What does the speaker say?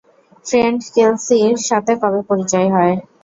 Fred কেসলির সাথে কবে পরিচয় হয়?